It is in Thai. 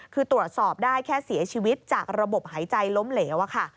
คือตรวจสอบได้แค่เสียชีวิตจากระบบหายใจล้มเหลวอะค่ะ